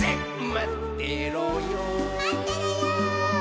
まってろよ−！